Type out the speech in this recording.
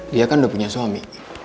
dia kan udah punya suami